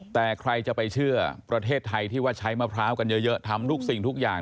แต่ใครจะไปเชื่อประเทศไทยที่ว่าใช้มะพร้าวกันเยอะทำทุกสิ่งทุกอย่าง